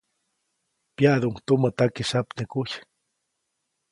Pyaʼduʼuŋ tumä takisyapnekuy.